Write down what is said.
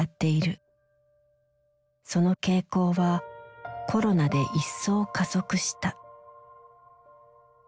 その傾向はコロナでいっそう加速した。